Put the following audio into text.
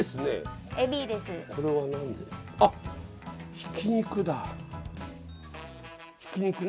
ひき肉ね。